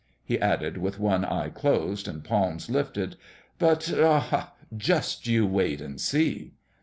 He added, with one eye closed, and palms lifted :" But aha! just you wait and see."